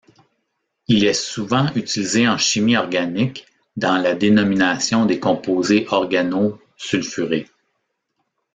Il est souvent utilisé en chimie organique dans la dénomination des composés organosulfurés.